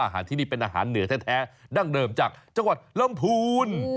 ที่นี่เป็นอาหารเหนือแท้ดั้งเดิมจากจังหวัดลำพูน